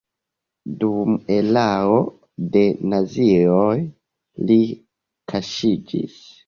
Dum erao de nazioj li kaŝiĝis.